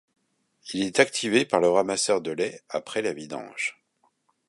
Il est activé par le ramasseur de lait après la vidange.